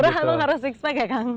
lurah itu harus six pack ya kang